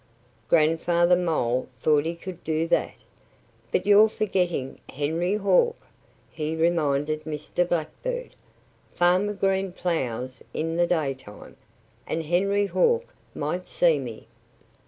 Grandfather Mole thought he could do that. "But you're forgetting Henry Hawk!" he reminded Mr. Blackbird. "Farmer Green ploughs in the daytime. And Henry Hawk might see me."